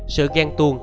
sự ghen tuôn